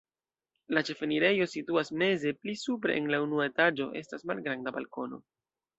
La ĉefenirejo situas meze, pli supre en la unua etaĝo estas malgranda balkono.